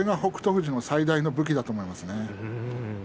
富士の最大の武器だと思います。